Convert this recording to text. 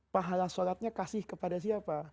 pahala sholatnya kasih kepada siapa